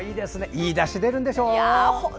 いいだし、出るんでしょ？